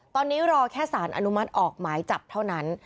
ตอนนี้รอแค่สารอนุมัติออกหมายจับเท่านั้น